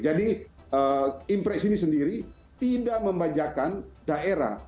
jadi impres ini sendiri tidak membajakan daerah